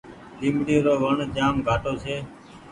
ليبڙي رو وڻ جآم گھآٽو ڇي۔